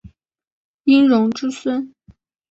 殷融之孙。